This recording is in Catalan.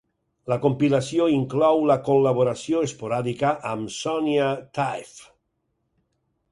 La compilació inclou la col·laboració esporàdica amb Sonya Taaffe.